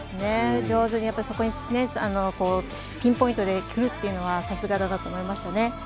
上手にそこにピンポイントでくるというのはさすがだなと思いましたね。